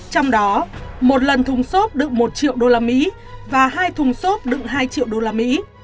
trong đó một lần thùng xốp đựng một triệu usd và hai thùng xốp đựng hai triệu usd